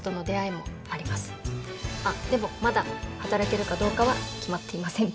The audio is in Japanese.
あっでもまだ働けるかどうかは決まっていません。